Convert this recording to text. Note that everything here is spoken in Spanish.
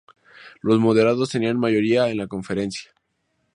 Los moderados tenían mayoría en la conferencia.